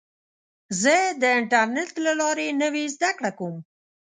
زه د انټرنیټ له لارې نوې زده کړه کوم.